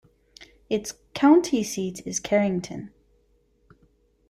Its county seat is Carrington.